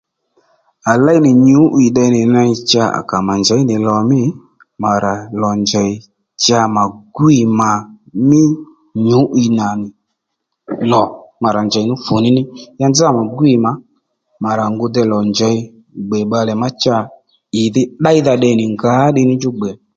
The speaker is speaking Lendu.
À léy nì nyǔ'wiy déy nì ney cha à kà mà njěy nì lò mî mà rà lò njèy cha mà gwîy mà mí nyǔ'wiy nà nì lò mà rà njèy nú fùní ní ya nzá mà gwǐy mà mà rà ngu dey lò njěy gbè bbalè má cha ì dhí ddéydha tde nì ngǎ ddiy ní chú gbè